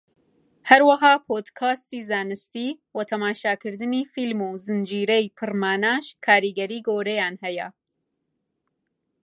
هەروەها پۆدکاستی زانستی و تەماشاکردنی فیلم و زنجیرەی پڕماناش کاریگەری گەورەیان هەیە